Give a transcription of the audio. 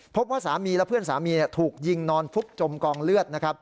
พบว่าสามีและเพื่อนสามีถูกยิงนอนฟุบจมกองเลือดนะครับ